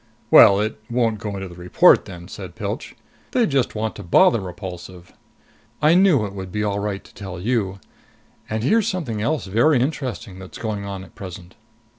"Well, it won't go into the report then," Pilch said. "They'd just want to bother Repulsive!" "I knew it would be all right to tell you. And here's something else very interesting that's going on at present."